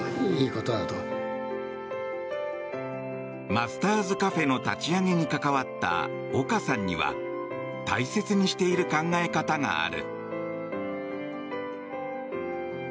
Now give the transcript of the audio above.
マスターズＣａｆｅの立ち上げに関わった岡さんには大切にしている考え方がある。